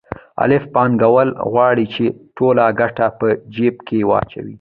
الف پانګوال غواړي چې ټوله ګټه په جېب کې واچوي